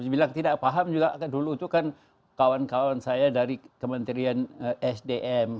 dibilang tidak paham juga dulu itu kan kawan kawan saya dari kementerian sdm